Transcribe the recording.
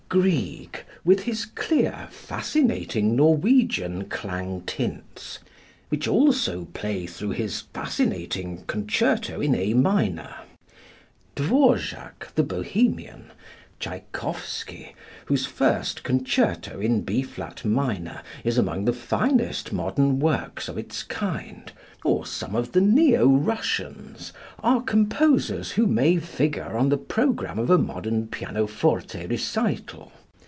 Grieg, with his clear, fascinating Norwegian clang tints, which also play through his fascinating "Concerta" in A minor; Dvorak, the Bohemian; Tschaikowsky, whose first "Concerto" in B flat minor is among the finest modern works of its kind; or some of the neo Russians, are composers who may figure on the program of a modern pianoforte recital.